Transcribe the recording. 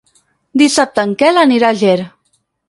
Dissabte en Quel anirà a Ger.